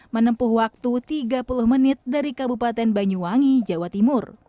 menempuh waktu tiga puluh menit dari kabupaten banyuwangi jawa timur